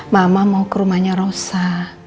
mama mau ke rumahnya rosa